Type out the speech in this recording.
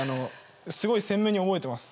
すごく鮮明に覚えています。